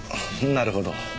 なるほど。